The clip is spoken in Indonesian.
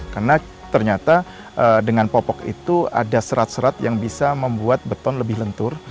karena ternyata dengan popok itu ada serat serat yang bisa membuat beton lebih lentur